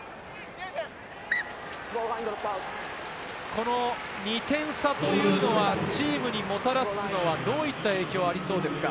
この２点差というのは、チームにもたらすのは、どういった影響がありそうですか？